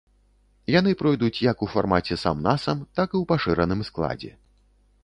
Яны пройдуць як у фармаце сам-насам, так і ў пашыраным складзе.